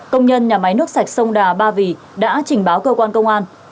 công nhân nhà máy nước sạch sông đà ba vì đã trình báo cơ quan công an